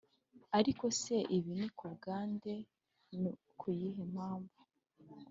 ariko se ibi nikubwande no kuyihe mpamvu?"